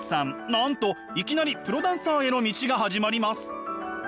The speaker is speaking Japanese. なんといきなりプロダンサーへの道が始まります。